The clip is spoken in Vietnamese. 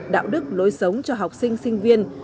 đạo đức lối sống cho học sinh sinh viên